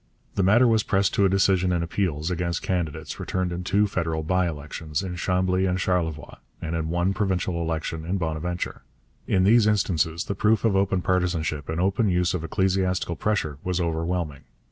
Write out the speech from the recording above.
The matter was pressed to a decision in appeals against candidates returned in two federal by elections, in Chambly and Charlevoix, and in one provincial election, in Bonaventure. In these instances the proof of open partisanship and open use of ecclesiastical pressure was overwhelming.